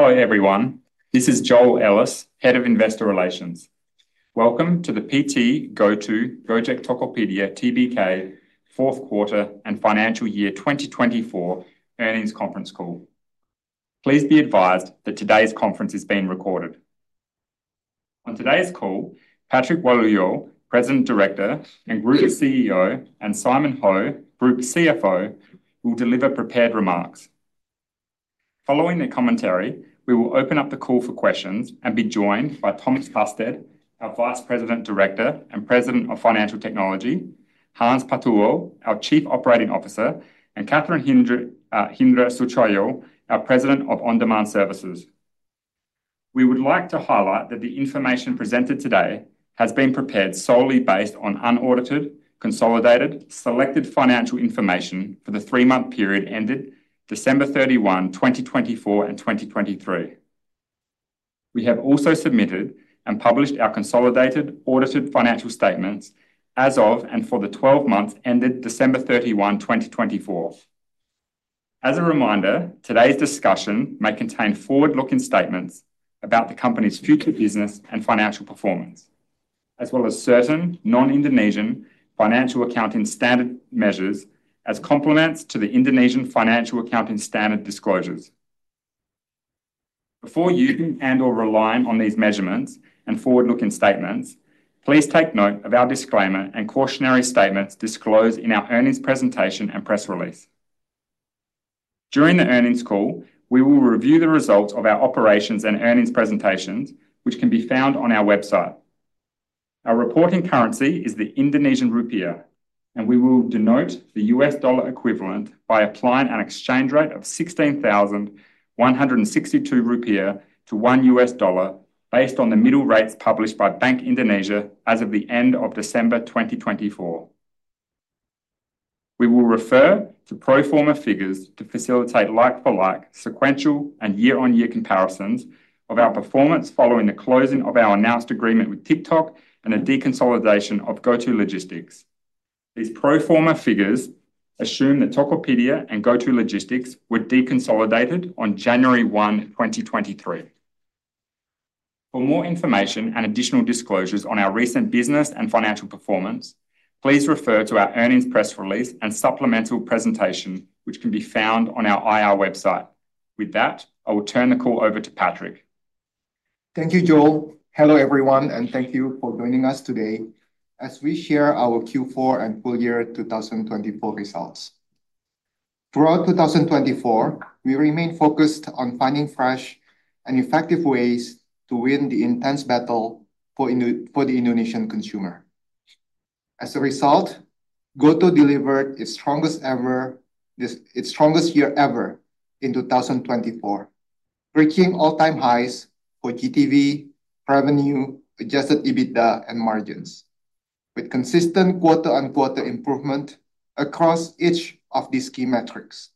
Hello everyone, this is Joel Ellis, Head of Investor Relations. Welcome to the PT GoTo Gojek Tokopedia Tbk fourth quarter and financial year 2024 earnings conference call. Please be advised that today's conference is being recorded. On today's call, Patrick Walujo, President Director and Group CEO, and Simon Ho, Group CFO, will deliver prepared remarks. Following their commentary, we will open up the call for questions and be joined by Thomas Husted, our Vice President Director and President of Financial Technology; Hans Patuwo, our Chief Operating Officer; and Catherine Hindra Sutjahyo, our President of On-Demand Services. We would like to highlight that the information presented today has been prepared solely based on unaudited, consolidated, selected financial information for the three-month period ended December 31, 2024 in 2024 and 2023. We have also submitted and published our consolidated, audited financial statements as of and for the 12 months ended December 31, 2024. As a reminder, today's discussion may contain forward-looking statements about the company's future business and financial performance, as well as certain non-Indonesian financial accounting standard measures as complements to the Indonesian financial accounting standard disclosures. Before using and/or relying on these measurements and forward-looking statements, please take note of our disclaimer and cautionary statements disclosed in our earnings presentation and press release. During the earnings call, we will review the results of our operations and earnings presentations, which can be found on our website. Our reporting currency is the IDR, and we will denote the U.S. dollar equivalent by applying an exchange rate of 16,162 rupiah to $1 based on the middle rates published by Bank Indonesia as of the end of December 2024. We will refer to pro forma figures to facilitate like-for-like sequential and year-on-year comparisons of our performance following the closing of our announced agreement with TikTok and the deconsolidation of GoTo Logistics. These pro forma figures assume that Tokopedia and GoTo Logistics were deconsolidated on January 1, 2023. For more information and additional disclosures on our recent business and financial performance, please refer to our earnings press release and supplemental presentation, which can be found on our IR website. With that, I will turn the call over to Patrick. Thank you, Joel. Hello everyone, and thank you for joining us today as we share our Q4 and full year 2024 results. Throughout 2024, we remain focused on finding fresh and effective ways to win the intense battle for the Indonesian consumer. As a result, GoTo delivered its strongest year ever in 2024, breaking all-time highs for GTV, revenue, adjusted EBITDA, and margins, with consistent quarter-on-quarter improvement across each of these key metrics.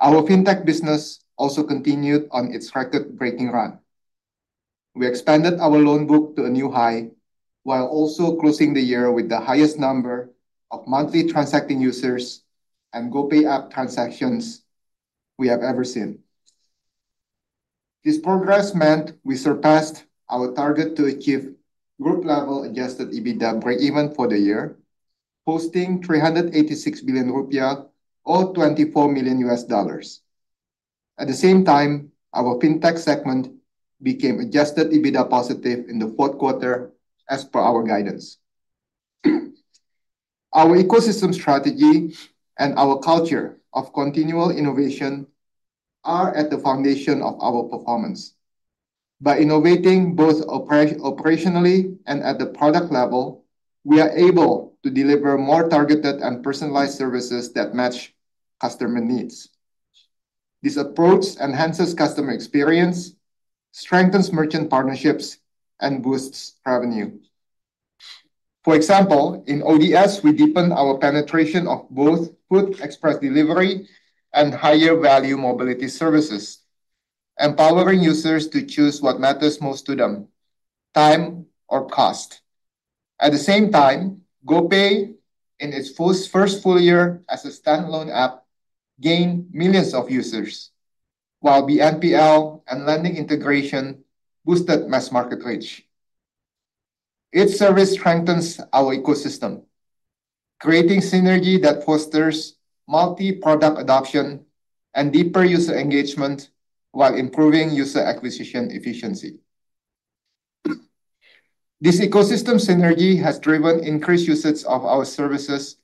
Our fintech business also continued on its record-breaking run. We expanded our loan book to a new high while also closing the year with the highest number of monthly transacting users and GoPay app transactions we have ever seen. This progress meant we surpassed our target to achieve group-level adjusted EBITDA break-even for the year, posting 386 billion rupiah, or $24 million. At the same time, our fintech segment became adjusted EBITDA positive in the fourth quarter as per our guidance. Our ecosystem strategy and our culture of continual innovation are at the foundation of our performance. By innovating both operationally and at the product level, we are able to deliver more targeted and personalized services that match customer needs. This approach enhances customer experience, strengthens merchant partnerships, and boosts revenue. For example, in ODS, we deepened our penetration of both Food Express Delivery and higher value mobility services, empowering users to choose what matters most to them: time or cost. At the same time, GoPay, in its first full year as a standalone app, gained millions of users, while BNPL and lending integration boosted mass market reach. Each service strengthens our ecosystem, creating synergy that fosters multi-product adoption and deeper user engagement while improving user acquisition efficiency. This ecosystem synergy has driven increased usage of our services,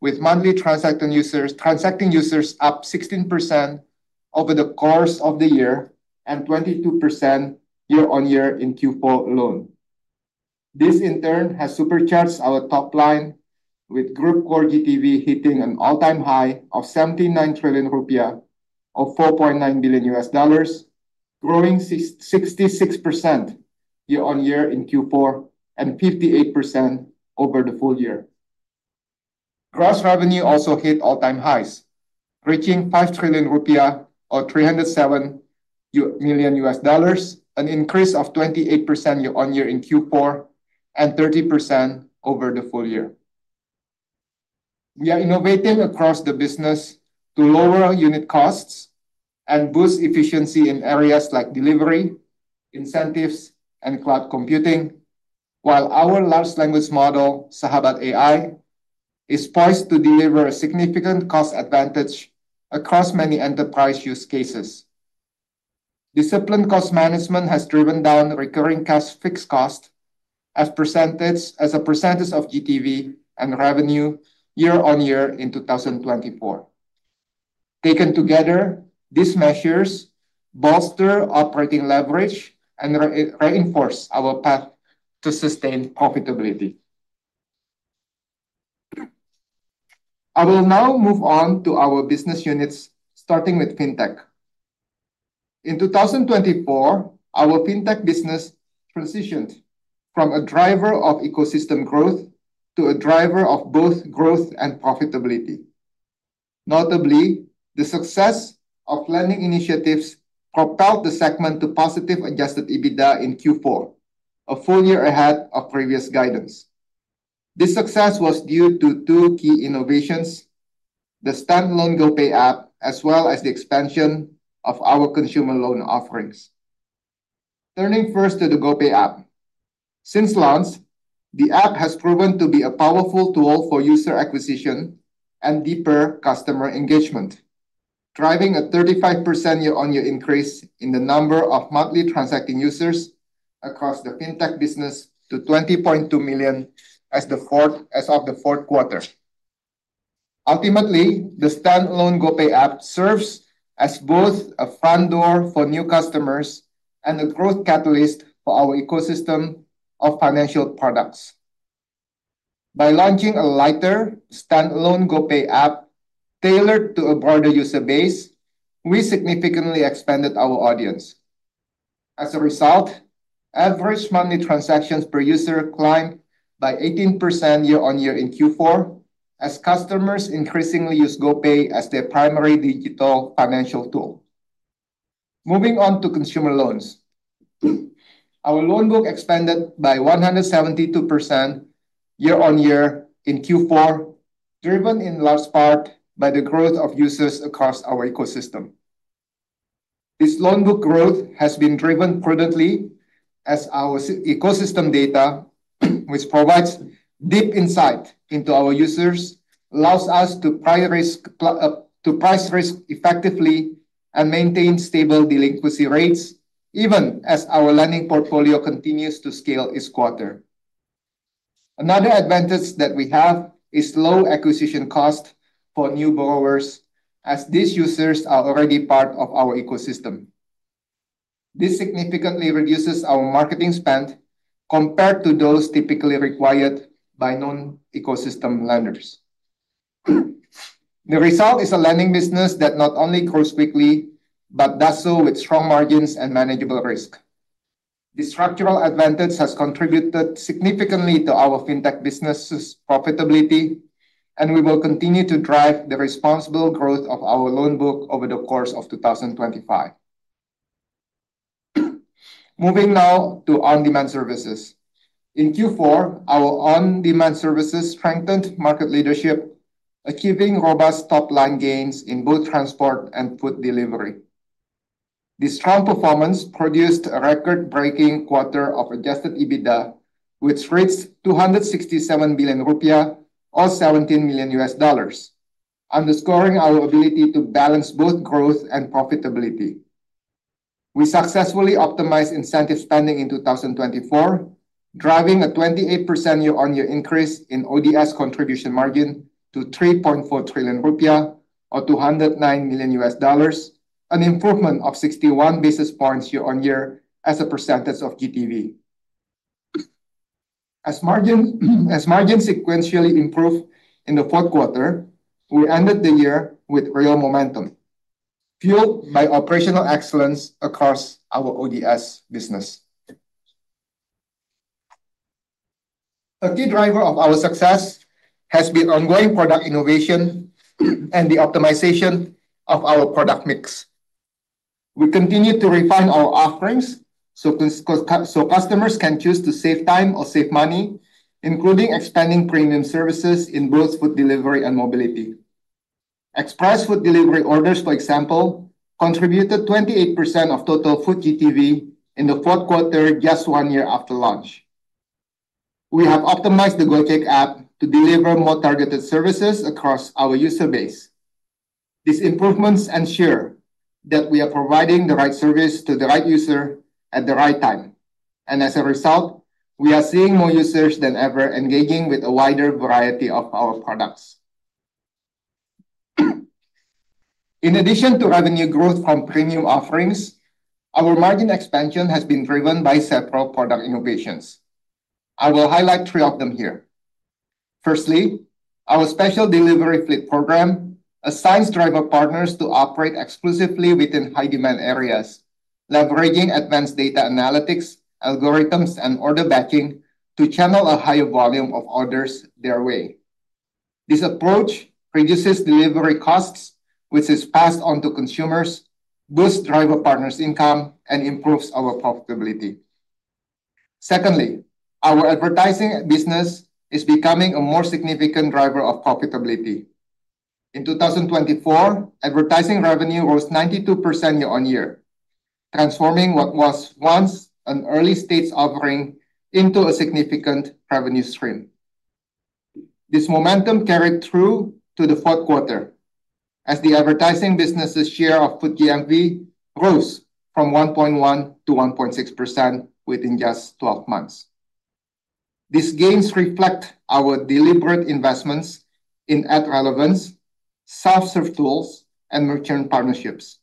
with monthly transacting users up 16% over the course of the year and 22% year-on-year in Q4 alone. This, in turn, has supercharged our top line, with Group Core GTV hitting an all-time high of 79 trillion rupiah or $4.9 billion, growing 66% year-on-year in Q4 and 58% over the full year. Gross revenue also hit all-time highs, reaching 5 trillion rupiah or $307 million, an increase of 28% year-on-year in Q4 and 30% over the full year. We are innovating across the business to lower unit costs and boost efficiency in areas like delivery, incentives, and cloud computing, while our large language model, Sahabat AI, is poised to deliver a significant cost advantage across many enterprise use cases. Disciplined cost management has driven down recurring cash fixed costs as a percentage of GTV and revenue year-on-year in 2024. Taken together, these measures bolster operating leverage and reinforce our path to sustained profitability. I will now move on to our business units, starting with fintech. In 2024, our fintech business transitioned from a driver of ecosystem growth to a driver of both growth and profitability. Notably, the success of lending initiatives propelled the segment to positive adjusted EBITDA in Q4, a full year ahead of previous guidance. This success was due to two key innovations: the standalone GoPay app, as well as the expansion of our consumer loan offerings. Turning first to the GoPay app, since launch, the app has proven to be a powerful tool for user acquisition and deeper customer engagement, driving a 35% year-on-year increase in the number of monthly transacting users across the fintech business to 20.2 million as of the fourth quarter. Ultimately, the standalone GoPay app serves as both a front door for new customers and a growth catalyst for our ecosystem of financial products. By launching a lighter standalone GoPay app tailored to a broader user base, we significantly expanded our audience. As a result, average monthly transactions per user climbed by 18% year-on-year in Q4, as customers increasingly use GoPay as their primary digital financial tool. Moving on to consumer loans, our loan book expanded by 172% year-on-year in Q4, driven in large part by the growth of users across our ecosystem. This loan book growth has been driven prudently, as our ecosystem data, which provides deep insight into our users, allows us to price risk effectively and maintain stable delinquency rates, even as our lending portfolio continues to scale each quarter. Another advantage that we have is low acquisition costs for new borrowers, as these users are already part of our ecosystem. This significantly reduces our marketing spend compared to those typically required by non-ecosystem lenders. The result is a lending business that not only grows quickly but does so with strong margins and manageable risk. This structural advantage has contributed significantly to our fintech business's profitability, and we will continue to drive the responsible growth of our loan book over the course of 2025. Moving now to on-demand services. In Q4, our on-demand services strengthened market leadership, achieving robust top-line gains in both transport and food delivery. This strong performance produced a record-breaking quarter of adjusted EBITDA, which reached 267 billion rupiah or $17 million, underscoring our ability to balance both growth and profitability. We successfully optimized incentive spending in 2024, driving a 28% year-on-year increase in ODS contribution margin to 3.4 trillion rupiah or $209 million, an improvement of 61 basis points year-on-year as a percentage of GTV. As margins sequentially improved in the fourth quarter, we ended the year with real momentum, fueled by operational excellence across our ODS business. A key driver of our success has been ongoing product innovation and the optimization of our product mix. We continue to refine our offerings so customers can choose to save time or save money, including expanding premium services in both food delivery and mobility. Express food delivery orders, for example, contributed 28% of total food GTV in the fourth quarter, just one year after launch. We have optimized the Gojek app to deliver more targeted services across our user base. These improvements ensure that we are providing the right service to the right user at the right time. As a result, we are seeing more users than ever engaging with a wider variety of our products. In addition to revenue growth from premium offerings, our margin expansion has been driven by several product innovations. I will highlight three of them here. Firstly, our special delivery fleet program assigns driver partners to operate exclusively within high-demand areas, leveraging advanced data analytics, algorithms, and order batching to channel a higher volume of orders their way. This approach reduces delivery costs, which is passed on to consumers, boosts driver partners' income, and improves our profitability. Secondly, our advertising business is becoming a more significant driver of profitability. In 2024, advertising revenue rose 92% year-on-year, transforming what was once an early-stage offering into a significant revenue stream. This momentum carried through to the fourth quarter, as the advertising business's share of food GMV rose from 1.1% to 1.6% within just 12 months. These gains reflect our deliberate investments in ad relevance, self-serve tools, and merchant partnerships.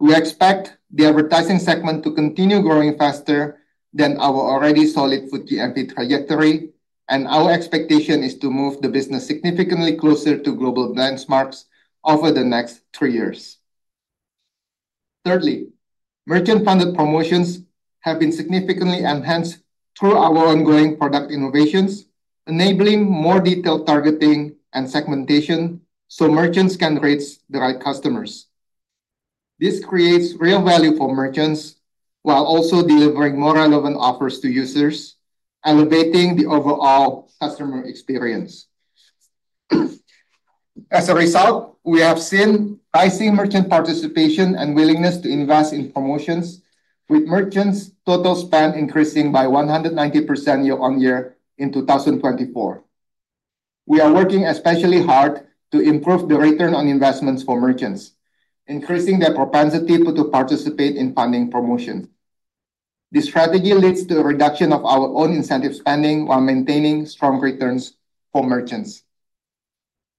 We expect the advertising segment to continue growing faster than our already solid food GMV trajectory, and our expectation is to move the business significantly closer to global benchmarks over the next three years. Thirdly, merchant-funded promotions have been significantly enhanced through our ongoing product innovations, enabling more detailed targeting and segmentation so merchants can reach the right customers. This creates real value for merchants while also delivering more relevant offers to users, elevating the overall customer experience. As a result, we have seen rising merchant participation and willingness to invest in promotions, with merchants' total spend increasing by 190% year-on-year in 2024. We are working especially hard to improve the return on investments for merchants, increasing their propensity to participate in funding promotions. This strategy leads to a reduction of our own incentive spending while maintaining strong returns for merchants.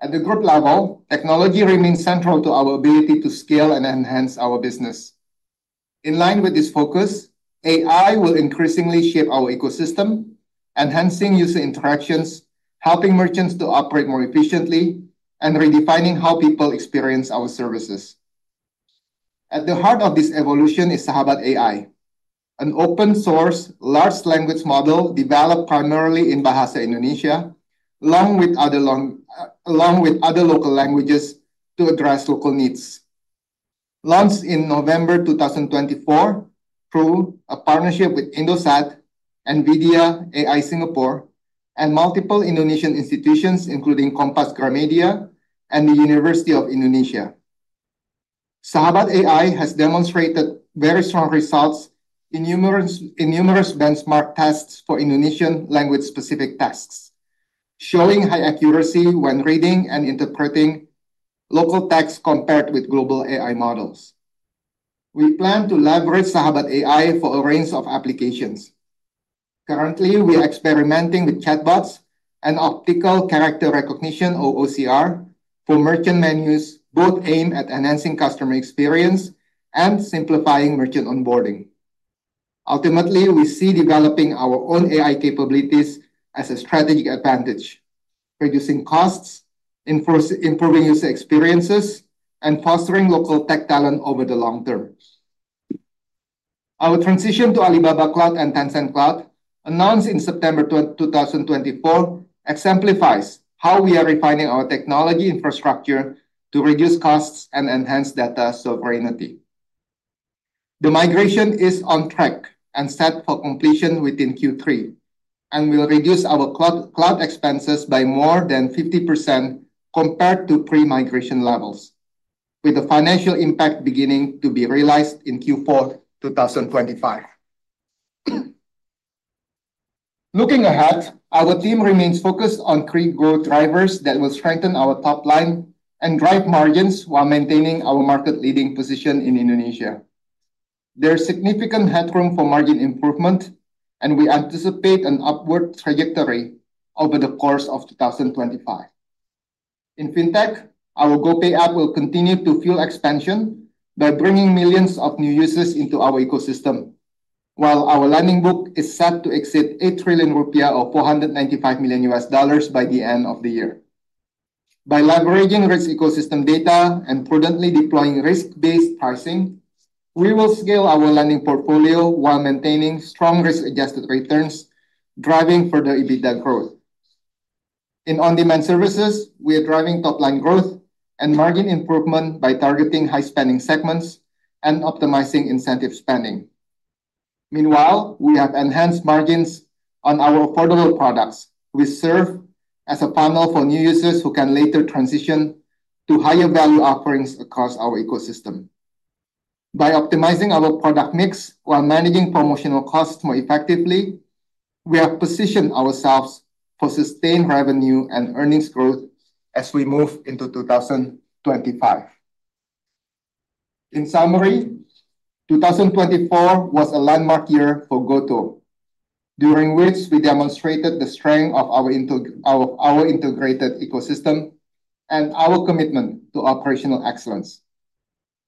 At the group level, technology remains central to our ability to scale and enhance our business. In line with this focus, AI will increasingly shape our ecosystem, enhancing user interactions, helping merchants to operate more efficiently, and redefining how people experience our services. At the heart of this evolution is Sahabat AI, an open-source large language model developed primarily in Bahasa Indonesia, along with other local languages to address local needs. Launched in November 2024, through a partnership with Indosat, NVIDIA, AI Singapore, and multiple Indonesian institutions, including Kompas Gramedia and the University of Indonesia, Sahabat AI has demonstrated very strong results in numerous benchmark tests for Indonesian language-specific tasks, showing high accuracy when reading and interpreting local text compared with global AI models. We plan to leverage Sahabat AI for a range of applications. Currently, we are experimenting with chatbots and optical character recognition (OCR) for merchant menus, both aimed at enhancing customer experience and simplifying merchant onboarding. Ultimately, we see developing our own AI capabilities as a strategic advantage, reducing costs, improving user experiences, and fostering local tech talent over the long term. Our transition to Alibaba Cloud and Tencent Cloud, announced in September 2024, exemplifies how we are refining our technology infrastructure to reduce costs and enhance data sovereignty. The migration is on track and set for completion within Q3, and we'll reduce our cloud expenses by more than 50% compared to pre-migration levels, with the financial impact beginning to be realized in Q4 2025. Looking ahead, our team remains focused on three growth drivers that will strengthen our top line and drive margins while maintaining our market-leading position in Indonesia. There is significant headroom for margin improvement, and we anticipate an upward trajectory over the course of 2025. In fintech, our GoPay app will continue to fuel expansion by bringing millions of new users into our ecosystem, while our lending book is set to exceed 8 trillion rupiah or $495 million by the end of the year. By leveraging risk ecosystem data and prudently deploying risk-based pricing, we will scale our lending portfolio while maintaining strong risk-adjusted returns, driving further EBITDA growth. In on-demand services, we are driving top-line growth and margin improvement by targeting high-spending segments and optimizing incentive spending. Meanwhile, we have enhanced margins on our affordable products, which serve as a panel for new users who can later transition to higher-value offerings across our ecosystem. By optimizing our product mix while managing promotional costs more effectively, we have positioned ourselves for sustained revenue and earnings growth as we move into 2025. In summary, 2024 was a landmark year for GoTo, during which we demonstrated the strength of our integrated ecosystem and our commitment to operational excellence.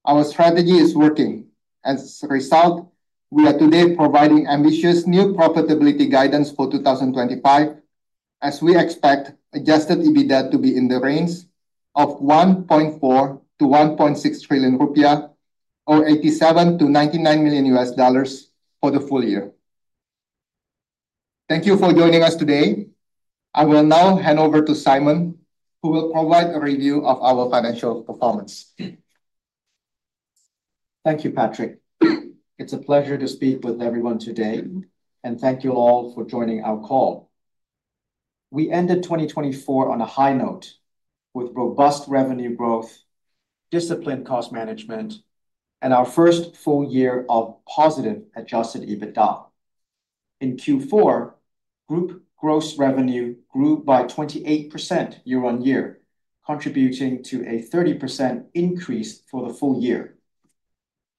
Our strategy is working, and as a result, we are today providing ambitious new profitability guidance for 2025, as we expect adjusted EBITDA to be in the range of 1.4 trillion-1.6 trillion rupiah or $87 million-$99 million for the full year. Thank you for joining us today. I will now hand over to Simon, who will provide a review of our financial performance. Thank you, Patrick. It's a pleasure to speak with everyone today, and thank you all for joining our call. We ended 2024 on a high note with robust revenue growth, disciplined cost management, and our first full year of positive adjusted EBITDA. In Q4, group gross revenue grew by 28% year-on-year, contributing to a 30% increase for the full year.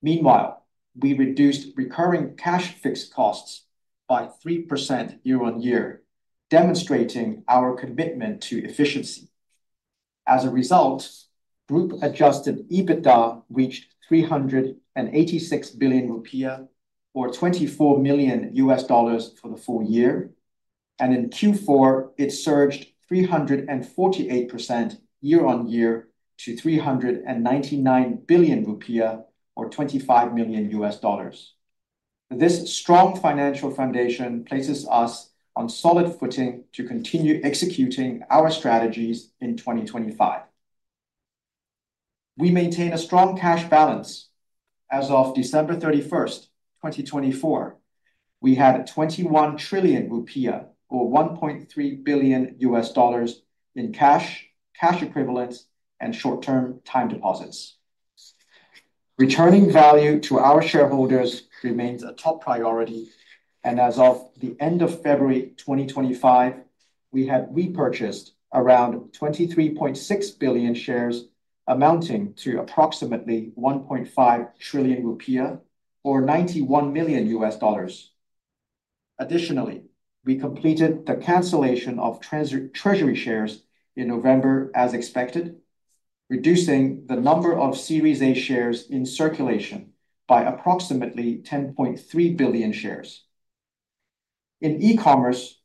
Meanwhile, we reduced recurring cash fixed costs by 3% year-on-year, demonstrating our commitment to efficiency. As a result, group adjusted EBITDA reached 386 billion rupiah or $24 million for the full year, and in Q4, it surged 348% year-on-year to IDR 399 billion or $25 million. This strong financial foundation places us on solid footing to continue executing our strategies in 2025. We maintain a strong cash balance. As of December 31st, 2024, we had 21 trillion rupiah or $1.3 billion in cash, cash equivalents, and short-term time deposits. Returning value to our shareholders remains a top priority, and as of the end of February 2025, we had repurchased around 23.6 billion shares amounting to approximately 1.5 trillion rupiah or $91 million. Additionally, we completed the cancellation of treasury shares in November, as expected, reducing the number of Series A shares in circulation by approximately 10.3 billion shares. In e-commerce,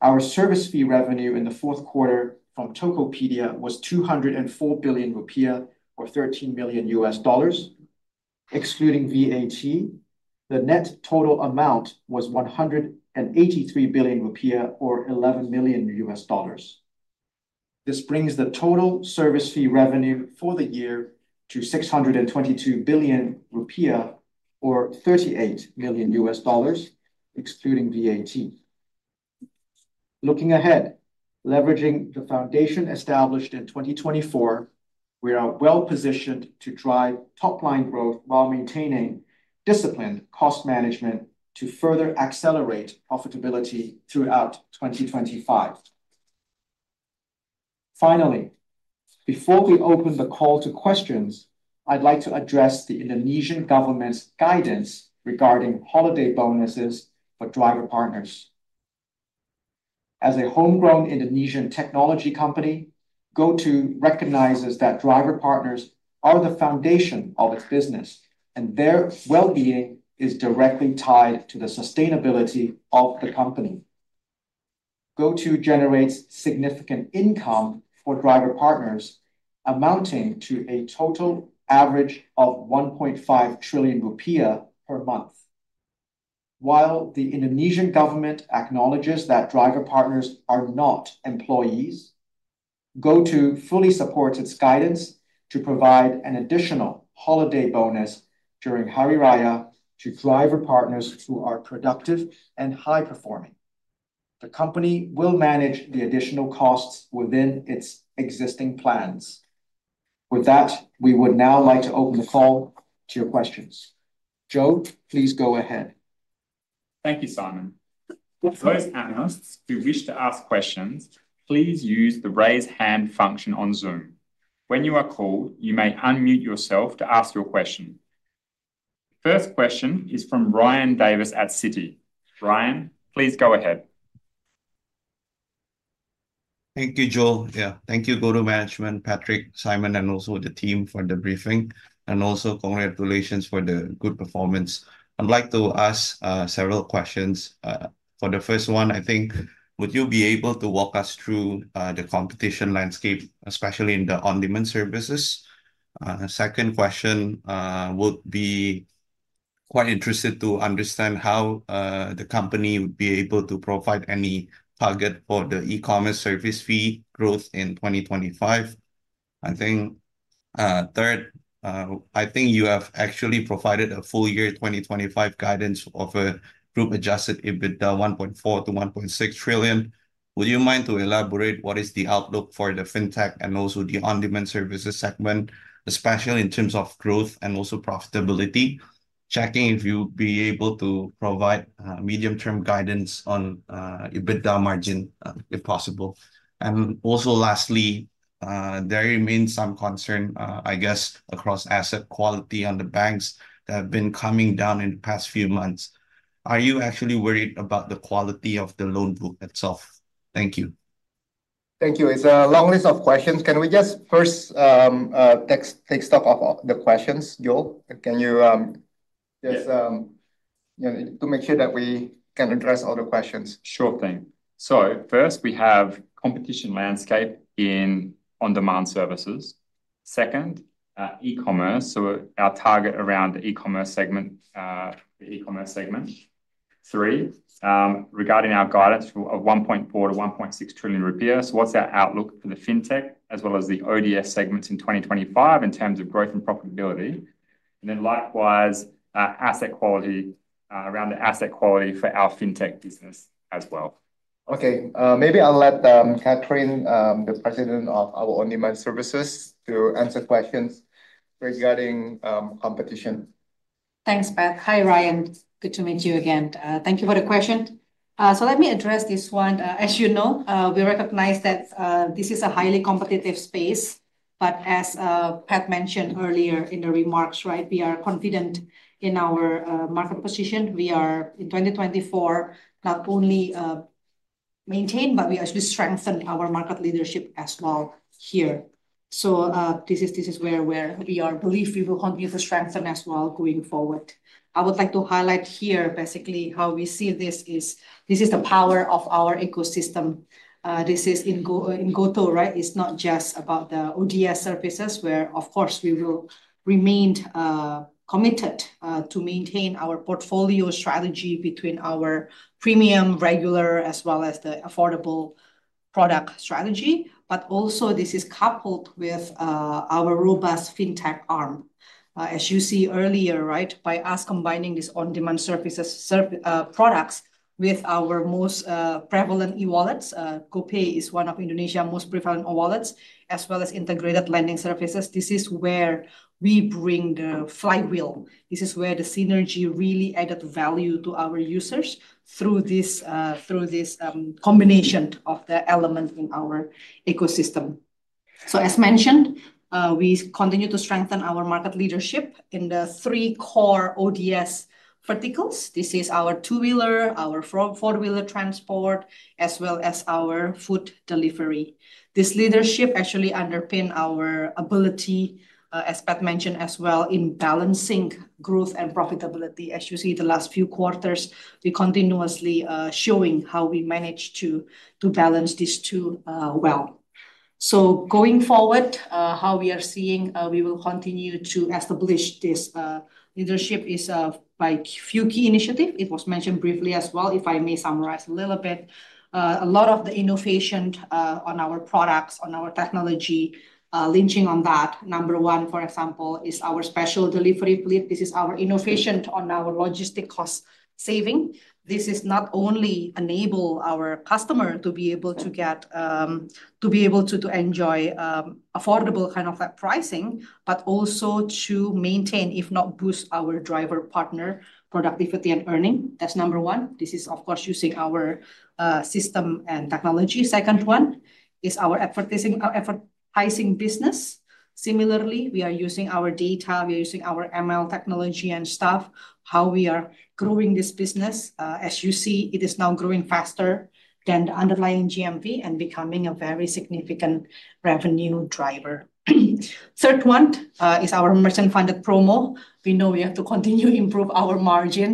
our service fee revenue in the fourth quarter from Tokopedia was 204 billion rupiah or $13 million. Excluding VAT, the net total amount was 183 billion rupiah or $11 million. This brings the total service fee revenue for the year to 622 billion rupiah or $38 million, excluding VAT. Looking ahead, leveraging the foundation established in 2024, we are well positioned to drive top-line growth while maintaining disciplined cost management to further accelerate profitability throughout 2025. Finally, before we open the call to questions, I'd like to address the Indonesian government's guidance regarding holiday bonuses for driver partners. As a homegrown Indonesian technology company, GoTo recognizes that driver partners are the foundation of its business, and their well-being is directly tied to the sustainability of the company. GoTo generates significant income for driver partners, amounting to a total average of 1.5 trillion rupiah per month. While the Indonesian government acknowledges that driver partners are not employees, GoTo fully supports its guidance to provide an additional holiday bonus during Hari Raya to driver partners who are productive and high-performing. The company will manage the additional costs within its existing plans. With that, we would now like to open the call to your questions. Joel, please go ahead. Thank you, Simon. For those panelists who wish to ask questions, please use the raise hand function on Zoom. When you are called, you may unmute yourself to ask your question. The first question is from Ryan Davis at Citi. Ryan, please go ahead. Thank you, Joel. Yeah, thank you, GoTo Management, Patrick, Simon, and also the team for the briefing. And also, congratulations for the good performance. I'd like to ask several questions. For the first one, I think, would you be able to walk us through the competition landscape, especially in the on-demand services? Second question would be quite interested to understand how the company would be able to provide any target for the e-commerce service fee growth in 2025. I think third, I think you have actually provided a full year 2025 guidance of a group adjusted EBITDA 1.4 trillion-1.6 trillion. Would you mind to elaborate what is the outlook for the fintech and also the on-demand services segment, especially in terms of growth and also profitability? Checking if you'd be able to provide medium-term guidance on EBITDA margin if possible. Also, lastly, there remains some concern, I guess, across asset quality on the banks that have been coming down in the past few months. Are you actually worried about the quality of the loan book itself? Thank you. Thank you. It's a long list of questions. Can we just first take stock of the questions, Joel? Can you just, you know, to make sure that we can address all the questions? Sure thing. First, we have competition landscape in on-demand services. Second, e-commerce. Our target around the e-commerce segment, the e-commerce segment. Three, regarding our guidance of 1.4 trillion-1.6 trillion rupiah. What's our outlook for the fintech as well as the ODS segments in 2025 in terms of growth and profitability? Likewise, asset quality around the asset quality for our fintech business as well. Maybe I'll let Catherine, the President of our On-Demand Services, answer questions regarding competition. Thanks, Pat. Hi, Ryan. Good to meet you again. Thank you for the question. Let me address this one. As you know, we recognize that this is a highly competitive space, but as Pat mentioned earlier in the remarks, we are confident in our market position. In 2024, we not only maintained, but we actually strengthened our market leadership as well here. This is where we believe we will continue to strengthen as well going forward. I would like to highlight here, basically, how we see this is the power of our ecosystem. This is in GoTo, right? It's not just about the ODS services where, of course, we will remain committed to maintain our portfolio strategy between our premium, regular, as well as the affordable product strategy. Also, this is coupled with our robust fintech arm. As you see earlier, right, by us combining these on-demand services products with our most prevalent e-wallets, GoPay is one of Indonesia's most prevalent e-wallets, as well as integrated lending services. This is where we bring the flywheel. This is where the synergy really added value to our users through this combination of the elements in our ecosystem. As mentioned, we continue to strengthen our market leadership in the three core ODS verticals. This is our two-wheeler, our four-wheeler transport, as well as our food delivery. This leadership actually underpins our ability, as Pat mentioned as well, in balancing growth and profitability. As you see the last few quarters, we continuously show how we manage to balance these two well. Going forward, how we are seeing, we will continue to establish this leadership by a few key initiatives. It was mentioned briefly as well. If I may summarize a little bit, a lot of the innovation on our products, on our technology, leaning on that. Number one, for example, is our special delivery fleet. This is our innovation on our logistic cost saving. This is not only to enable our customer to be able to get to be able to enjoy affordable kind of pricing, but also to maintain, if not boost, our driver partner productivity and earning. That's number one. This is, of course, using our system and technology. Second one is our advertising business. Similarly, we are using our data. We are using our ML technology and stuff, how we are growing this business. As you see, it is now growing faster than the underlying GMV and becoming a very significant revenue driver. Third one is our merchant-funded promo. We know we have to continue to improve our margin.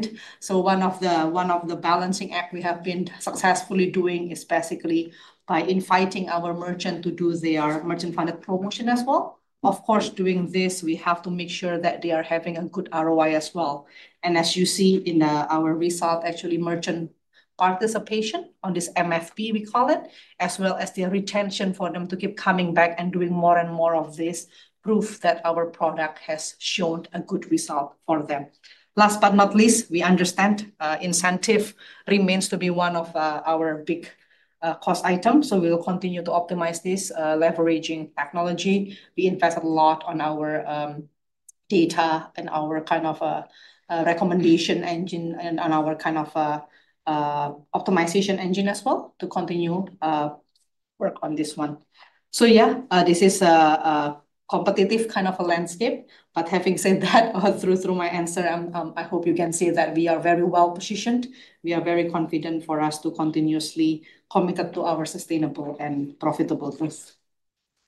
One of the balancing acts we have been successfully doing is basically by inviting our merchant to do their merchant-funded promotion as well. Of course, doing this, we have to make sure that they are having a good ROI as well. As you see in our result, actually, merchant participation on this MFP, we call it, as well as the retention for them to keep coming back and doing more and more of this proves that our product has shown a good result for them. Last but not least, we understand incentive remains to be one of our big cost items. We will continue to optimize this, leveraging technology. We invest a lot on our data and our kind of recommendation engine and on our kind of optimization engine as well to continue work on this one. Yeah, this is a competitive kind of a landscape. Having said that, through my answer, I hope you can see that we are very well positioned. We are very confident for us to continuously commit to our sustainable and profitable growth.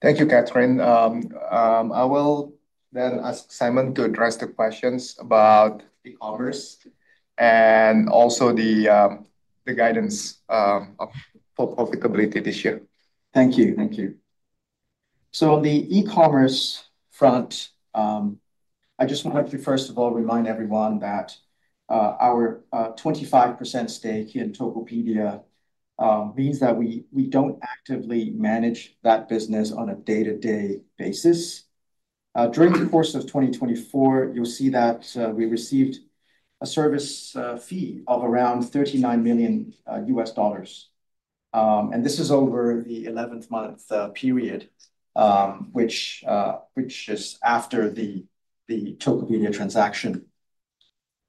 Thank you, Catherine. I will then ask Simon to address the questions about e-commerce and also the guidance for profitability this year. Thank you. Thank you. On the e-commerce front, I just wanted to, first of all, remind everyone that our 25% stake in Tokopedia means that we don't actively manage that business on a day-to-day basis. During the course of 2024, you'll see that we received a service fee of around $39 million. This is over the 11-month period, which is after the Tokopedia transaction.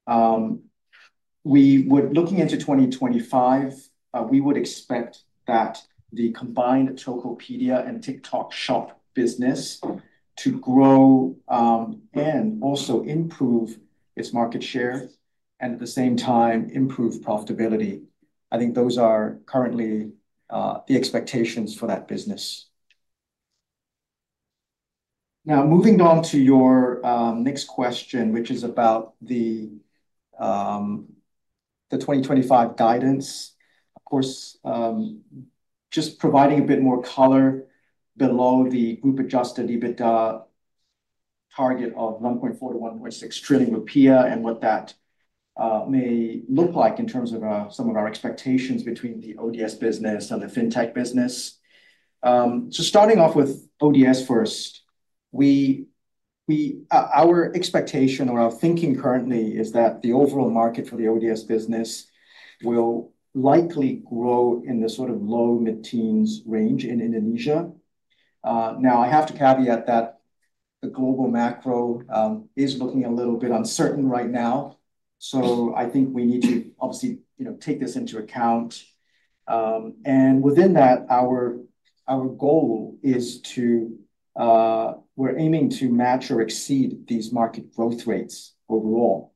Looking into 2025, we would expect that the combined Tokopedia and TikTok shop business to grow and also improve its market share and, at the same time, improve profitability. I think those are currently the expectations for that business. Now, moving on to your next question, which is about the 2025 guidance. Of course, just providing a bit more color below the group adjusted EBITDA target of 1.4 trillion-1.6 trillion rupiah and what that may look like in terms of some of our expectations between the ODS business and the fintech business. Starting off with ODS first, our expectation or our thinking currently is that the overall market for the ODS business will likely grow in the sort of low-mid teens range in Indonesia. I have to caveat that the global macro is looking a little bit uncertain right now. I think we need to obviously take this into account. Within that, our goal is to, we're aiming to match or exceed these market growth rates overall.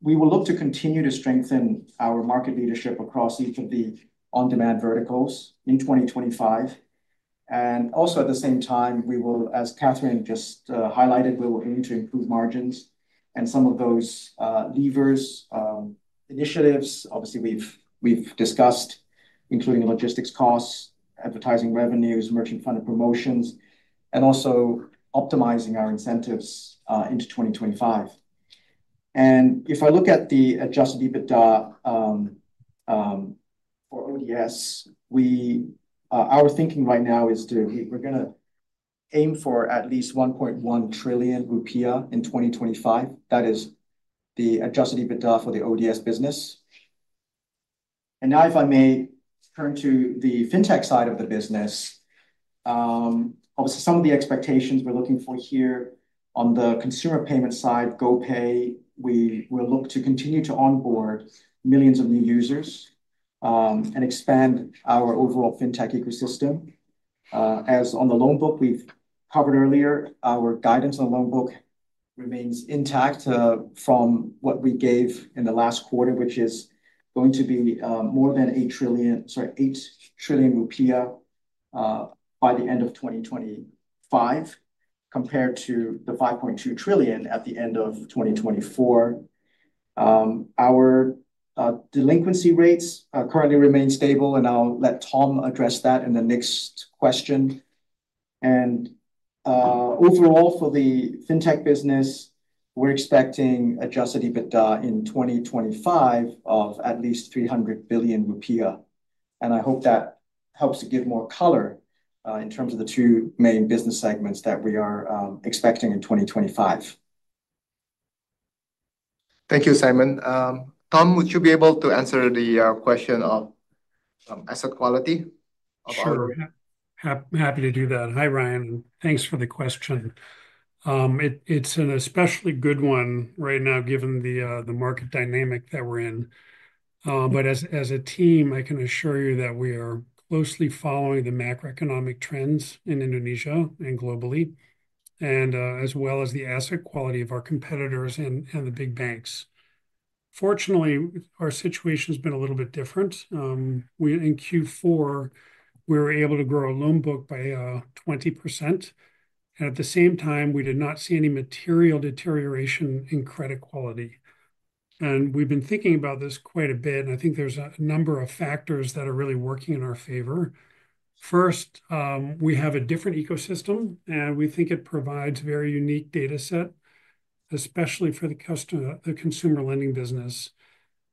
We will look to continue to strengthen our market leadership across each of the on-demand verticals in 2025. Also, at the same time, we will, as Catherine just highlighted, aim to improve margins and some of those levers, initiatives, obviously, we've discussed, including logistics costs, advertising revenues, merchant-funded promotions, and also optimizing our incentives into 2025. If I look at the adjusted EBITDA for ODS, our thinking right now is we're going to aim for at least 1.1 trillion rupiah in 2025. That is the adjusted EBITDA for the ODS business. Now, if I may turn to the fintech side of the business, obviously, some of the expectations we're looking for here on the consumer payment side, GoPay, we will look to continue to onboard millions of new users and expand our overall fintech ecosystem. As on the loan book, we've covered earlier, our guidance on the loan book remains intact from what we gave in the last quarter, which is going to be more than 8 trillion, sorry, 8 trillion rupiah by the end of 2025, compared to the 5.2 trillion at the end of 2024. Our delinquency rates currently remain stable, and I'll let Tom address that in the next question. Overall, for the fintech business, we're expecting adjusted EBITDA in 2025 of at least 300 billion rupiah. I hope that helps to give more color in terms of the two main business segments that we are expecting in 2025. Thank you, Simon. Tom, would you be able to answer the question of asset quality? Sure. Happy to do that. Hi, Ryan. Thanks for the question. It's an especially good one right now, given the market dynamic that we're in. As a team, I can assure you that we are closely following the macroeconomic trends in Indonesia and globally, as well as the asset quality of our competitors and the big banks. Fortunately, our situation has been a little bit different. In Q4, we were able to grow a loan book by 20%. At the same time, we did not see any material deterioration in credit quality. We've been thinking about this quite a bit. I think there's a number of factors that are really working in our favor. First, we have a different ecosystem, and we think it provides a very unique data set, especially for the consumer lending business.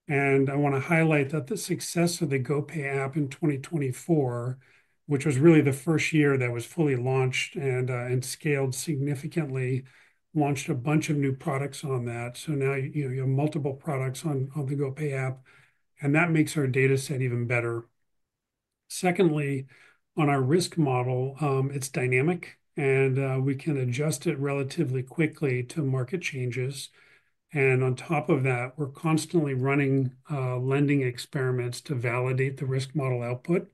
I want to highlight that the success of the GoPay app in 2024, which was really the first year that was fully launched and scaled significantly, launched a bunch of new products on that. You have multiple products on the GoPay app, and that makes our data set even better. Secondly, on our risk model, it's dynamic, and we can adjust it relatively quickly to market changes. On top of that, we're constantly running lending experiments to validate the risk model output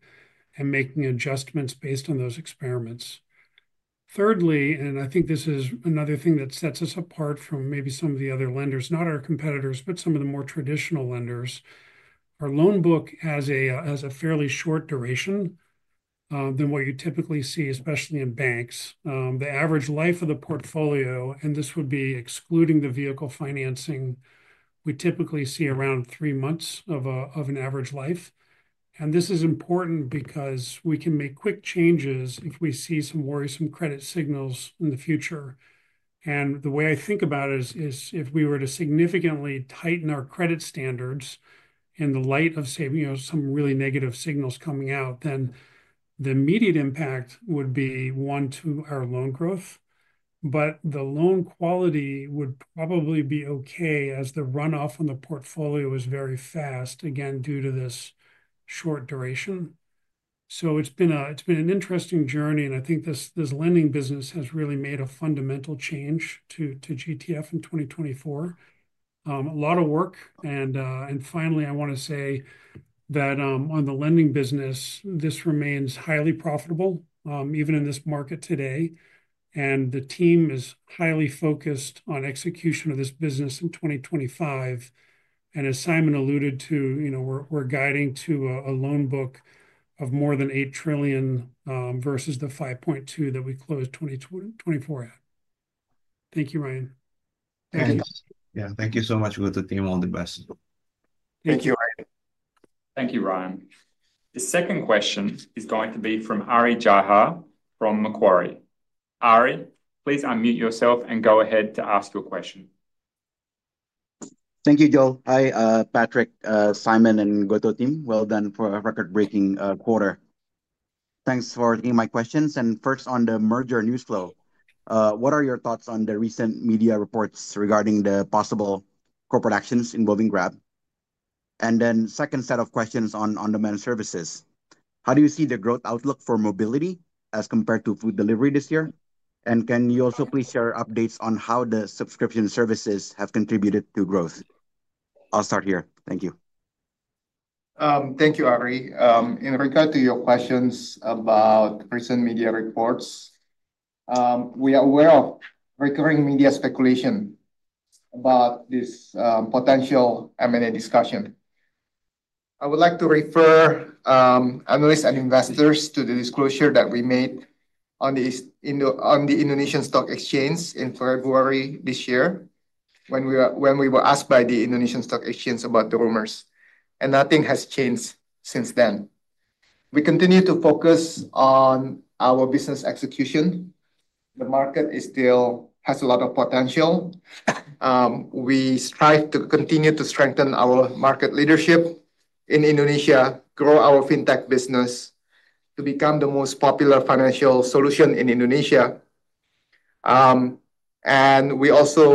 and making adjustments based on those experiments. Thirdly, and I think this is another thing that sets us apart from maybe some of the other lenders, not our competitors, but some of the more traditional lenders, our loan book has a fairly short duration than what you typically see, especially in banks. The average life of the portfolio, and this would be excluding the vehicle financing, we typically see around three months of an average life. This is important because we can make quick changes if we see some worrisome credit signals in the future. The way I think about it is if we were to significantly tighten our credit standards in the light of some really negative signals coming out, the immediate impact would be one to our loan growth. The loan quality would probably be okay as the runoff on the portfolio is very fast, again, due to this short duration. It has been an interesting journey, and I think this lending business has really made a fundamental change to GTF in 2024. A lot of work. Finally, I want to say that on the lending business, this remains highly profitable, even in this market today. The team is highly focused on execution of this business in 2025. As Simon alluded to, we are guiding to a loan book of more than 8 trillion versus the 5.2 trillion that we closed 2024 at. Thank you, Ryan. Thank you. Yeah, thank you so much. Good to think all the best. Thank you, Ryan. The second question is going to be from Ari Jahja from Macquarie. Ari, please unmute yourself and go ahead to ask your question. Thank you, Joel. Hi, Patrick, Simon, and GoTo team. Well done for a record-breaking quarter. Thanks for taking my questions. First, on the merger news flow, what are your thoughts on the recent media reports regarding the possible corporate actions involving Grab? The second set of questions on on-demand services. How do you see the growth outlook for mobility as compared to food delivery this year? Can you also please share updates on how the subscription services have contributed to growth? I'll start here. Thank you. Thank you, Ari. In regard to your questions about recent media reports, we are aware of recurring media speculation about this potential M&A discussion. I would like to refer analysts and investors to the disclosure that we made on the Indonesian stock exchange in February this year when we were asked by the Indonesian stock exchange about the rumors. Nothing has changed since then. We continue to focus on our business execution. The market still has a lot of potential. We strive to continue to strengthen our market leadership in Indonesia, grow our fintech business to become the most popular financial solution in Indonesia. We also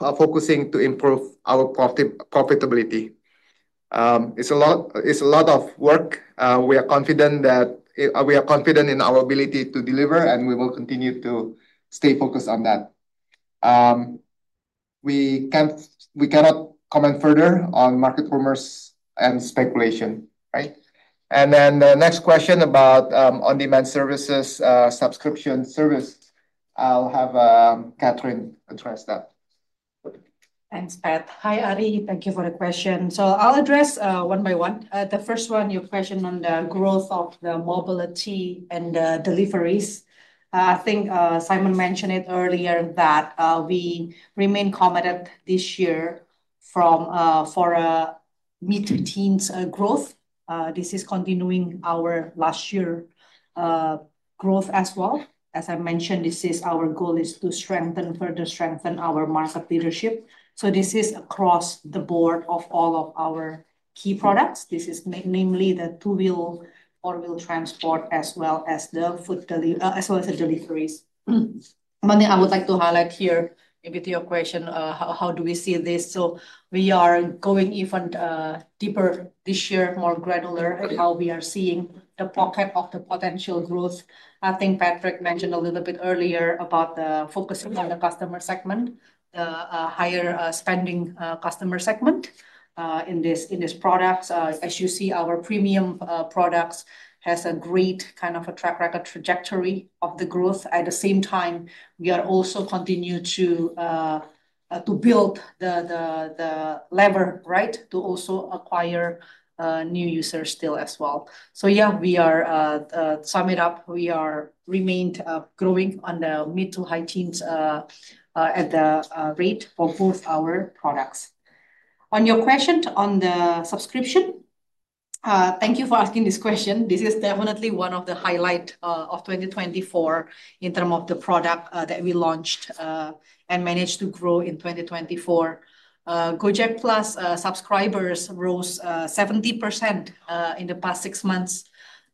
are focusing on improving our profitability. It's a lot of work. We are confident in our ability to deliver, and we will continue to stay focused on that. We cannot comment further on market rumors and speculation, right? The next question about on-demand services subscription service, I'll have Catherine address that. Thanks, Pat. Hi, Ari. Thank you for the question. I'll address one by one. The first one, your question on the growth of the mobility and deliveries. I think Simon mentioned it earlier that we remain committed this year for mid-teens growth. This is continuing our last year growth as well. As I mentioned, this is our goal is to strengthen, further strengthen our market leadership. This is across the board of all of our key products. This is namely the two-wheel or wheel transport as well as the food delivery as well as the deliveries. One thing I would like to highlight here with your question, how do we see this? We are going even deeper this year, more granular at how we are seeing the pocket of the potential growth. I think Patrick mentioned a little bit earlier about focusing on the customer segment, the higher spending customer segment in this product. As you see, our premium products have a great kind of track record trajectory of the growth. At the same time, we are also continuing to build the lever, right, to also acquire new users still as well. Yeah, we are summing up. We are remained growing on the mid to high teens at the rate for both our products. On your question on the subscription, thank you for asking this question. This is definitely one of the highlights of 2024 in terms of the product that we launched and managed to grow in 2024. Gojek PLUS subscribers rose 70% in the past six months.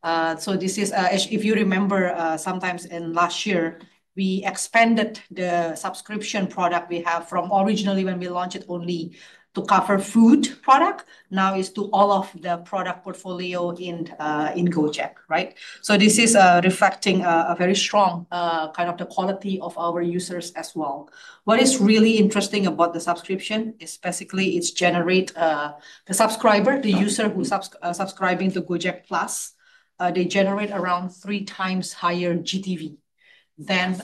If you remember, sometimes in last year, we expanded the subscription product we have from originally when we launched it only to cover food product. Now it's to all of the product portfolio in Gojek, right? This is reflecting a very strong kind of the quality of our users as well. What is really interesting about the subscription is basically it generates the subscriber, the user who's subscribing to Gojek PLUS, they generate around three times higher GTV than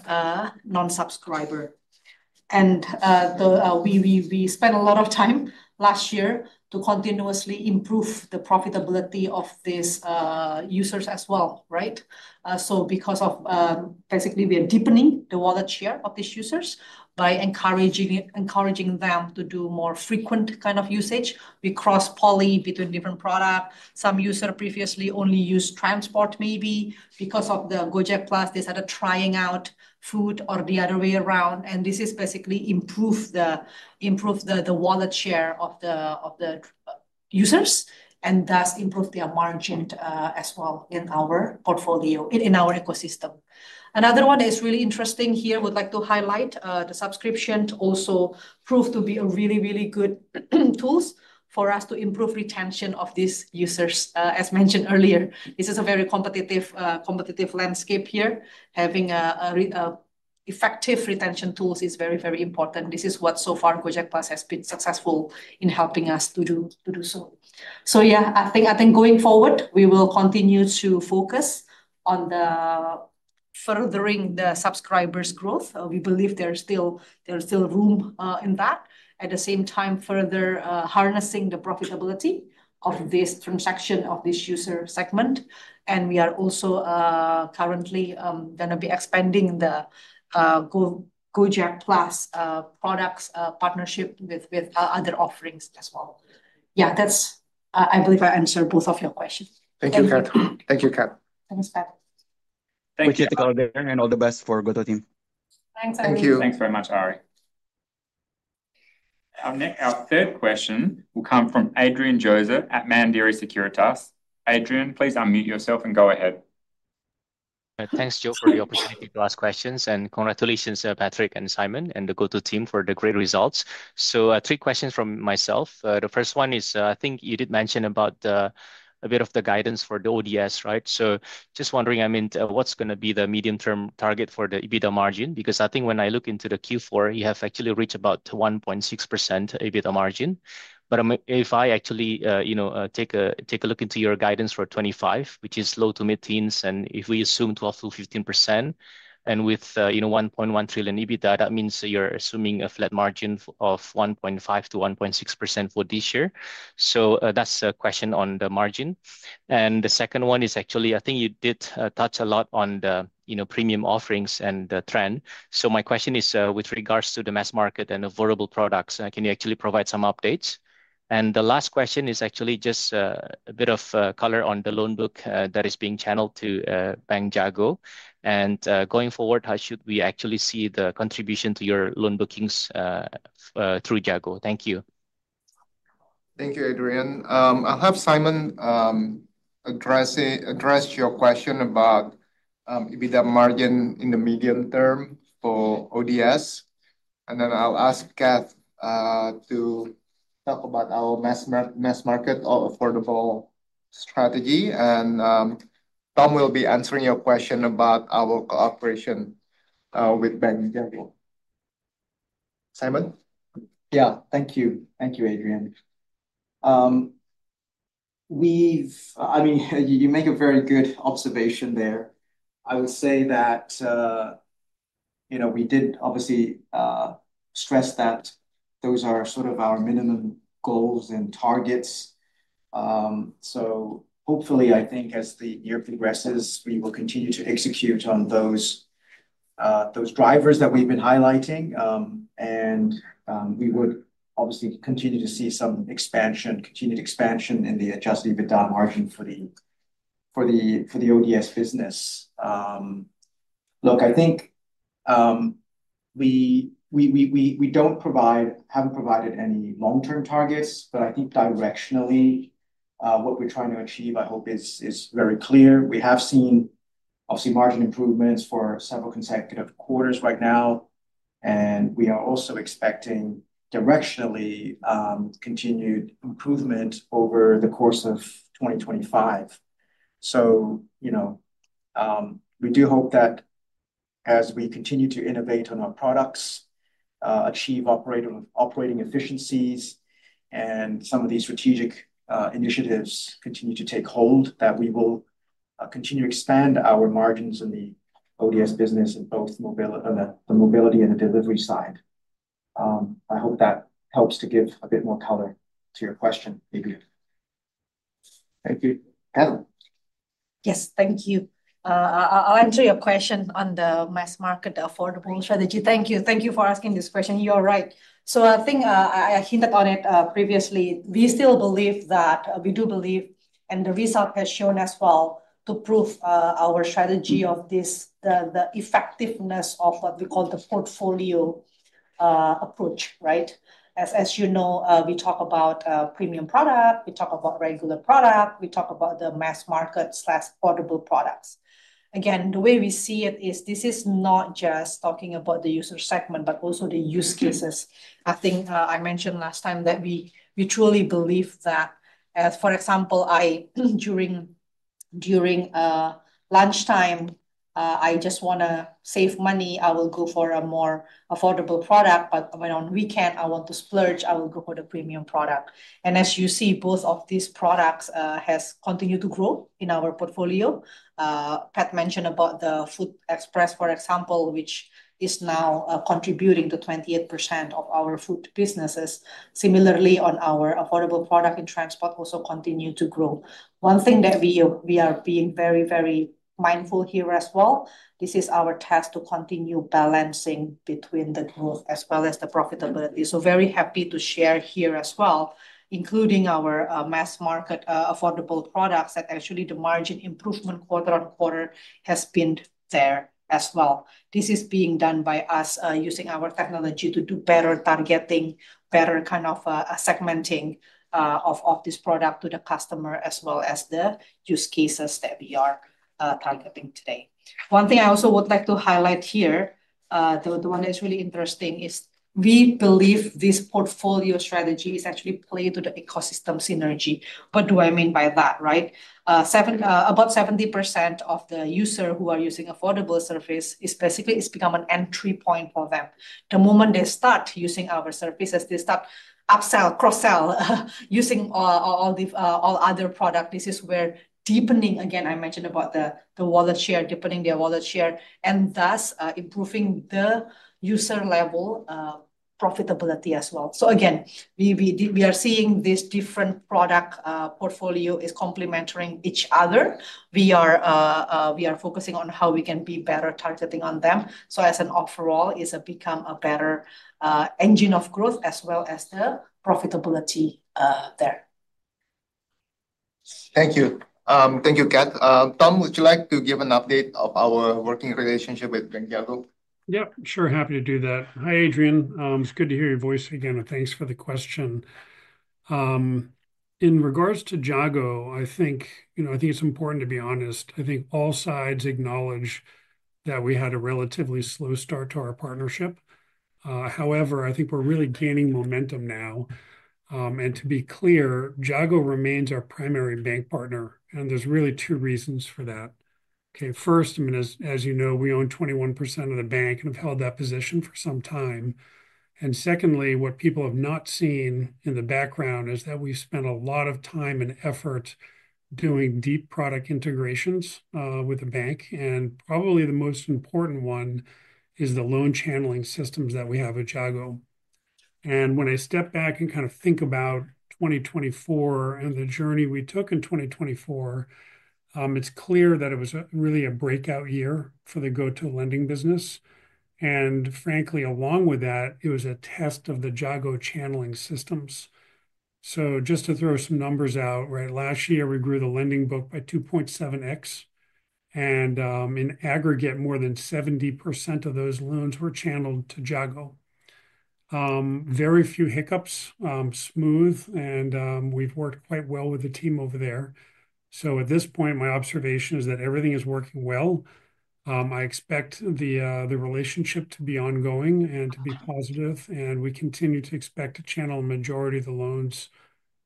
non-subscriber. We spent a lot of time last year to continuously improve the profitability of these users as well, right? Because basically we are deepening the wallet share of these users by encouraging them to do more frequent kind of usage. We cross-polly between different products. Some users previously only used transport maybe because of the Gojek PLUS. They started trying out food or the other way around. This has basically improved the wallet share of the users and thus improved their margin as well in our portfolio, in our ecosystem. Another one is really interesting here. I would like to highlight the subscription also proved to be a really, really good tool for us to improve retention of these users. As mentioned earlier, this is a very competitive landscape here. Having effective retention tools is very, very important. This is what so far Gojek PLUS has been successful in helping us to do. I think going forward, we will continue to focus on furthering the subscribers' growth. We believe there's still room in that. At the same time, further harnessing the profitability of this transaction of this user segment. We are also currently going to be expanding the Gojek PLUS products partnership with other offerings as well. Yeah, I believe I answered both of your questions. Thank you, Cath. Thank you, Cath. Thanks, Pat. Thank you, Catherine. All the best for GoTo team. Thanks, everyone. Thank you. Thanks very much, Ari. Our third question will come from Adrian Joezer at Mandiri Sekuritas. Adrian, please unmute yourself and go ahead. Thanks, Joe, for the opportunity to ask questions. Congratulations, Patrick and Simon, and the GoTo team for the great results. Three questions from myself. The first one is I think you did mention about a bit of the guidance for the ODS, right? Just wondering, I mean, what's going to be the medium-term target for the EBITDA margin? Because I think when I look into the Q4, you have actually reached about 1.6% EBITDA margin. If I actually take a look into your guidance for 2025, which is low to mid-teens, and if we assume 12%-15%, and with 1.1 trillion EBITDA, that means you are assuming a flat margin of 1.5%-1.6% for this year. That is a question on the margin. The second one is actually, I think you did touch a lot on the premium offerings and the trend. My question is with regards to the mass market and affordable products, can you actually provide some updates? The last question is actually just a bit of color on the loan book that is being channeled to Bank Jago. Going forward, how should we actually see the contribution to your loan bookings through Jago? Thank you. Thank you, Adrian. I'll have Simon address your question about EBITDA margin in the medium term for ODS. I'll ask Kath to talk about our mass market or affordable strategy. Tom will be answering your question about our cooperation with Bank Jago. Simon? Yeah, thank you. Thank you, Adrian. I mean, you make a very good observation there. I would say that we did obviously stress that those are sort of our minimum goals and targets. Hopefully, I think as the year progresses, we will continue to execute on those drivers that we've been highlighting. We would obviously continue to see some expansion, continued expansion in the adjusted EBITDA margin for the ODS business. Look, I think we don't provide, haven't provided any long-term targets, but I think directionally, what we're trying to achieve, I hope, is very clear. We have seen obviously margin improvements for several consecutive quarters right now. We are also expecting directionally continued improvement over the course of 2025. We do hope that as we continue to innovate on our products, achieve operating efficiencies, and some of these strategic initiatives continue to take hold, we will continue to expand our margins in the ODS business in both the mobility and the delivery side. I hope that helps to give a bit more color to your question, maybe. Thank you. Catherine? Yes, thank you. I'll answer your question on the mass market affordable strategy. Thank you. Thank you for asking this question. You're right. I think I hinted on it previously. We still believe that we do believe, and the result has shown as well to prove our strategy of this, the effectiveness of what we call the portfolio approach, right? As you know, we talk about premium product, we talk about regular product, we talk about the mass market/affordable products. Again, the way we see it is this is not just talking about the user segment, but also the use cases. I think I mentioned last time that we truly believe that, for example, during lunchtime, I just want to save money, I will go for a more affordable product. When on weekend, I want to splurge, I will go for the premium product. As you see, both of these products have continued to grow in our portfolio. Pat mentioned about the Food Express, for example, which is now contributing to 28% of our food businesses. Similarly, on our affordable product in transport, also continue to grow. One thing that we are being very, very mindful here as well, this is our task to continue balancing between the growth as well as the profitability. Very happy to share here as well, including our mass market affordable products that actually the margin improvement quarter on quarter has been there as well. This is being done by us using our technology to do better targeting, better kind of segmenting of this product to the customer as well as the use cases that we are targeting today. One thing I also would like to highlight here, the one that's really interesting is we believe this portfolio strategy is actually playing to the ecosystem synergy. What do I mean by that, right? About 70% of the users who are using affordable service is basically it's become an entry point for them. The moment they start using our services, they start upsell, cross-sell using all other products. This is where deepening, again, I mentioned about the wallet share, deepening their wallet share, and thus improving the user level profitability as well. We are seeing this different product portfolio is complementing each other. We are focusing on how we can be better targeting on them. As an overall, it has become a better engine of growth as well as the profitability there. Thank you. Thank you, Cath. Tom, would you like to give an update of our working relationship with Bank Jago? Yeah, sure. Happy to do that. Hi, Adrian. It's good to hear your voice again. Thanks for the question. In regards to Jago, I think it's important to be honest. I think all sides acknowledge that we had a relatively slow start to our partnership. However, I think we're really gaining momentum now. To be clear, Jago remains our primary bank partner. There are really two reasons for that. First, as you know, we own 21% of the bank and have held that position for some time. Secondly, what people have not seen in the background is that we've spent a lot of time and effort doing deep product integrations with the bank. Probably the most important one is the loan channeling systems that we have at Jago. When I step back and kind of think about 2024 and the journey we took in 2024, it's clear that it was really a breakout year for the GoTo lending business. Frankly, along with that, it was a test of the Jago channeling systems. Just to throw some numbers out, right? Last year, we grew the lending book by 2.7x. In aggregate, more than 70% of those loans were channeled to Jago. Very few hiccups, smooth, and we've worked quite well with the team over there. At this point, my observation is that everything is working well. I expect the relationship to be ongoing and to be positive. We continue to expect to channel the majority of the loans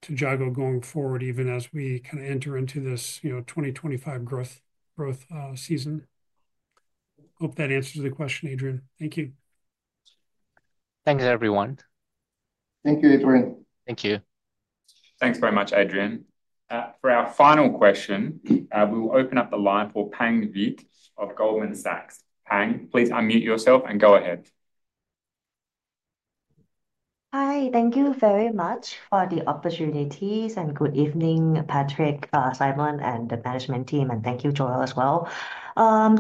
to Jago going forward, even as we kind of enter into this 2025 growth season. Hope that answers the question, Adrian. Thank you. Thanks, everyone. Thank you, Adrian. Thank you. Thanks very much, Adrian. For our final question, we will open up the line for Pang Vitt of Goldman Sachs. Pang, please unmute yourself and go ahead. Hi, thank you very much for the opportunities and good evening, Patrick, Simon, and the management team. Thank you, Joel, as well.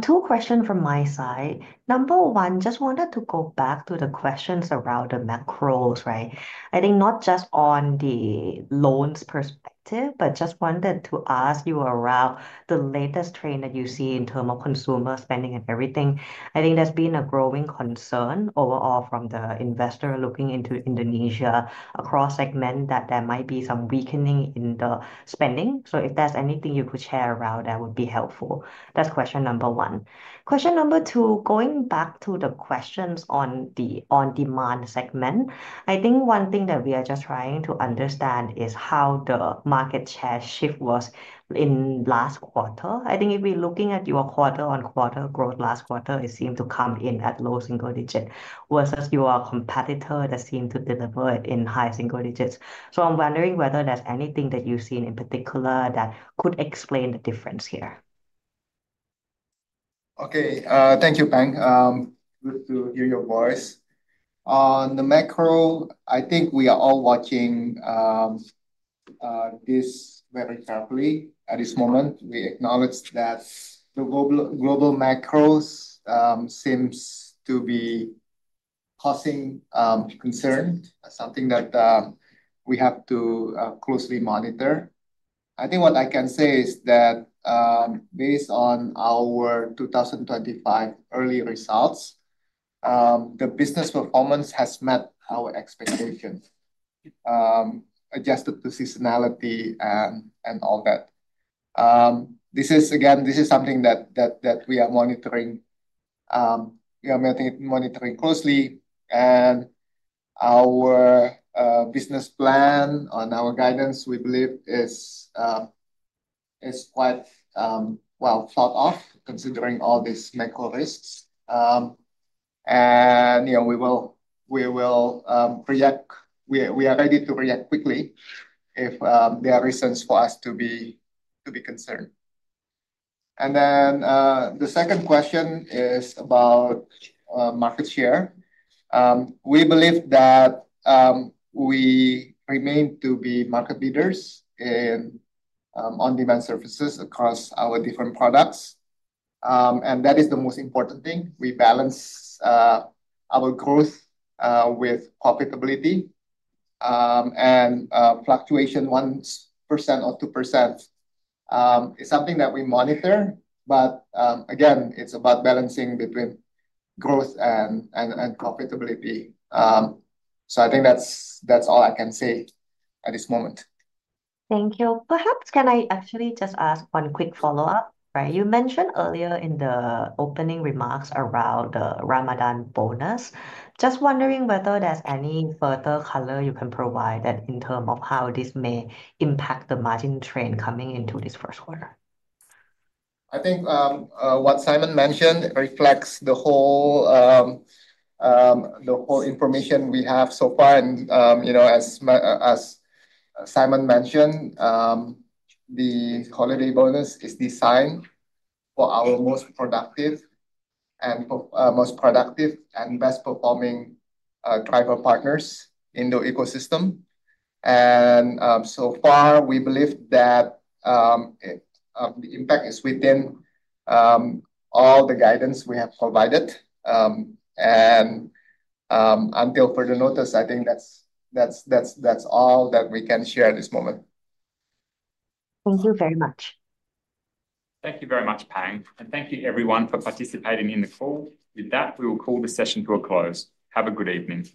Two questions from my side. Number one, just wanted to go back to the questions around the macros, right? I think not just on the loans perspective, but just wanted to ask you around the latest trend that you see in terms of consumer spending and everything. I think there's been a growing concern overall from the investor looking into Indonesia across segments that there might be some weakening in the spending. If there's anything you could share around, that would be helpful. That's question number one. Question number two, going back to the questions on the on-demand segment, I think one thing that we are just trying to understand is how the market share shift was in last quarter. I think if we're looking at your quarter-on-quarter growth last quarter, it seemed to come in at low single digit versus your competitor that seemed to deliver it in high single digits. I'm wondering whether there's anything that you've seen in particular that could explain the difference here. Thank you, Pang. Good to hear your voice. On the macro, I think we are all watching this very carefully at this moment. We acknowledge that the global macros seems to be causing concern, something that we have to closely monitor. I think what I can say is that based on our 2025 early results, the business performance has met our expectations, adjusted to seasonality and all that. This is, again, something that we are monitoring. We are monitoring closely. Our business plan on our guidance, we believe, is quite well thought of considering all these macro risks. We will react. We are ready to react quickly if there are reasons for us to be concerned. The second question is about market share. We believe that we remain to be market leaders in on-demand services across our different products. That is the most important thing. We balance our growth with profitability. Fluctuation 1% or 2% is something that we monitor. Again, it is about balancing between growth and profitability. I think that is all I can say at this moment. Thank you. Perhaps can I actually just ask one quick follow-up? You mentioned earlier in the opening remarks around the Ramadan bonus. Just wondering whether there's any further color you can provide in terms of how this may impact the margin trend coming into this first quarter. I think what Simon mentioned reflects the whole information we have so far. As Simon mentioned, the holiday bonus is designed for our most productive and best-performing driver partners in the ecosystem. So far, we believe that the impact is within all the guidance we have provided. Until further notice, I think that's all that we can share at this moment. Thank you very much. Thank you very much, Pang. Thank you, everyone, for participating in the call. With that, we will call the session to a close. Have a good evening.